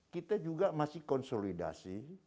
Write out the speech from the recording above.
kita juga masih konsolidasi